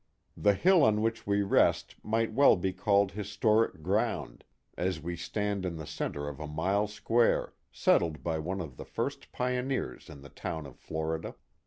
The hill on which we rest might well be called historic ground, as we stand in the centre of a mile square, settled by one of the first pioneers of the town of Florida.